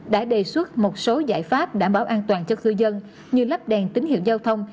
đã đề xuất một số giải pháp đảm bảo an toàn cho cư dân như lắp đèn tín hiệu giao thông